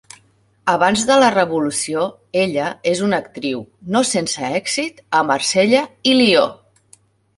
Abans de la Revolució, ella és una actriu, no sense èxit, a Marsella i Lió.